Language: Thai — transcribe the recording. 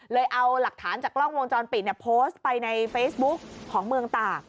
เอาหลักฐานจากกล้องวงจรปิดโพสต์ไปในเฟซบุ๊กของเมืองตาก